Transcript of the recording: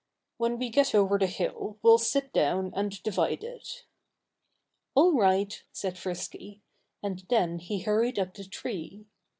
"When we get over the hill we'll sit down and divide it." "All right!" said Frisky. And then he hurried up the tree.